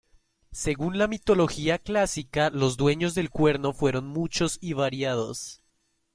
Según la mitología clásica, los dueños del cuerno fueron muchos y variados.